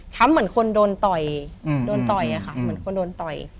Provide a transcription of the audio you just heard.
เหมือนคนโดนต่อยโดนต่อยอะค่ะเหมือนคนโดนต่อย